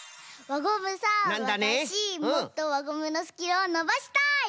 わたしもっとわゴムのスキルをのばしたい！